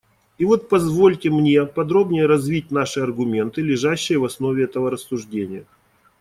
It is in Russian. И вот позвольте мне подробнее развить наши аргументы, лежащие в основе этого рассуждения.